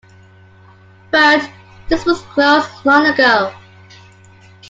But, this was closed long ago.